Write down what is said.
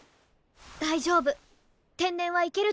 大丈夫天然はいけると思うよ。